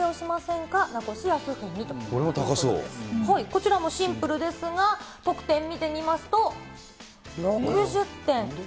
こちらもシンプルですが、得点見てみますと、６０点。